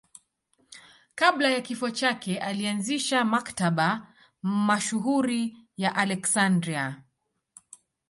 Kabla ya kifo chake alianzisha Maktaba mashuhuri ya Aleksandria.